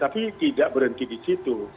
tapi tidak berhenti di situ